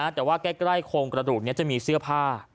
แต่ว่าใกล้โครงกระดูกนี้จะมีเสื้อผ้า